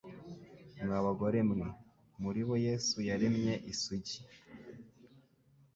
Mwa bagore mwe muri bo Yesu yaremye Isugi